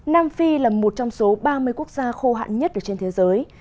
nam phi là một trong số ba mươi quốc gia khô hạn nhất trên thế giới